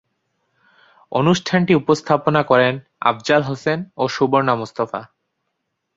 অনুষ্ঠানটি উপস্থাপনা করেন আফজাল হোসেন ও সুবর্ণা মুস্তাফা।